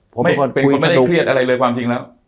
ผมเป็นคนไม่ได้เครียดอะไรเลยความจริงแล้ว